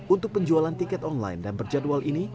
untuk penjualan tiket online dan berjadwal ini